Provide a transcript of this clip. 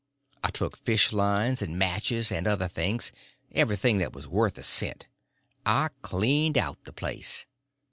I took fish lines and matches and other things—everything that was worth a cent. I cleaned out the place.